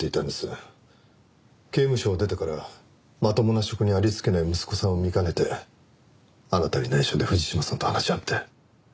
刑務所を出てからまともな職にありつけない息子さんを見かねてあなたに内緒で藤島さんと話し合って。